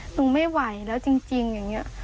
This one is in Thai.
หนูไม่ไหวแล้วจริงอย่างนี้